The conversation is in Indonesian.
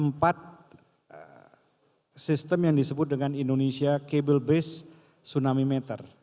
empat sistem yang disebut dengan indonesia cable based tsunami matter